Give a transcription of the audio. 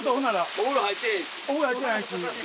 お風呂入ってないし。